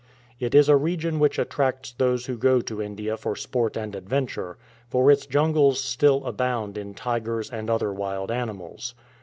It is a region which attracts those who go to India for sport and adventure, for its jungles still abound in tigers and other wild animals.